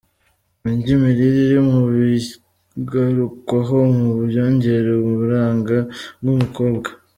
Indyo: Imirire iri bu bigarukwaho mu byongera uburanga bw’umukobwa.